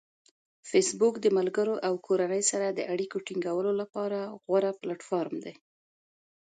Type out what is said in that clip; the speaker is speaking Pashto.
فېسبوک د ملګرو او کورنۍ سره د اړیکې ټینګولو لپاره غوره پلیټفارم دی.